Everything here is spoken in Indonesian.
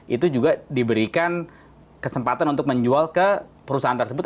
itu juga diberikan kesempatan untuk menjual ke perusahaan tersebut